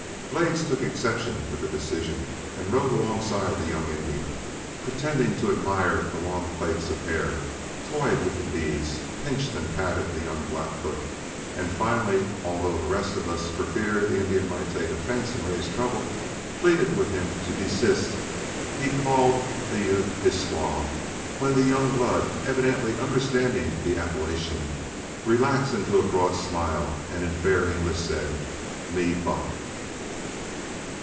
Blades took exception to the decision and rode alongside the young Indian, pretending to admire the long plaits of hair, toyed with the beads, pinched and patted the young Blackfoot, and finally, although the rest of us, for fear the Indian might take offense and raise trouble, pleaded with him to desist, he called the youth his "squaw," when the young blood, evidently understanding the appellation, relaxed into a broad smile, and in fair English said, "Me buck."